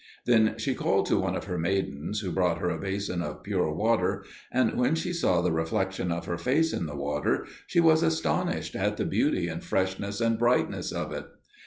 Then she called to one of her maidens, who brought her a basin of pure water, and when she saw the reflection of her face in the water she was astonished at the beauty and freshness and brightness of it.